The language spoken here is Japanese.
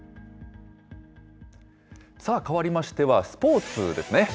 さあ、変わりましてはスポーツですね。